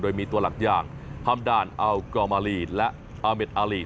โดยมีตัวหลักอย่างทำด่านอัลกอมาลีและอาเมดอารี